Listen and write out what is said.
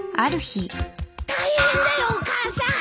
大変だよお母さん！